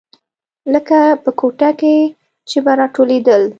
لکه په کوټه کښې چې به راټولېدل.